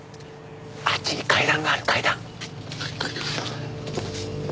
あっちに階段がある階段。